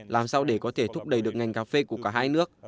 làm sao để có thể thúc đẩy được ngành cà phê của cả hai nước